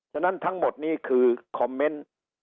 ฉะนั้นทั้งหมดนี้คือคอมเมนต์